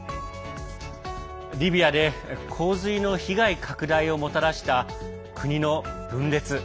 リビアで洪水の被害拡大をもたらした、国の分裂。